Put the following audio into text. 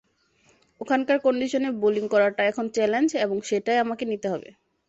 ওখানকার কন্ডিশনে বোলিং করাটা এখন চ্যালেঞ্জ এবং সেটাই আমাকে নিতে হবে।